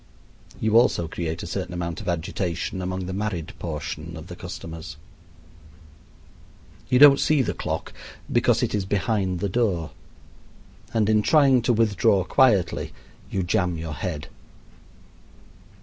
You also create a certain amount of agitation among the married portion of the customers. You don't see the clock because it is behind the door; and in trying to withdraw quietly you jam your head.